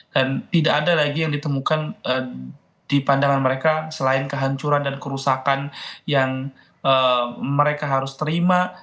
dan tidak ada lagi yang ditemukan di pandangan mereka selain kehancuran dan kerusakan yang mereka harus terima